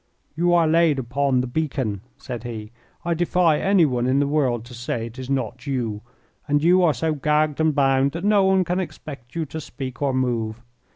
"You are laid upon the beacon," said he; "I defy anyone in the world to say it is not you, and you are so gagged and bound that no one can expect you to speak or move.